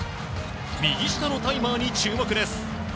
右下のタイマーに注目です。